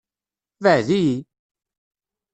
Beɛɛed-iyi!